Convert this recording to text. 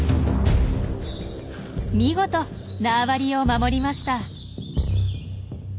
見事縄張りを守りました。